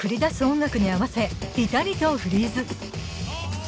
音楽に合わせピタリとフリーズ。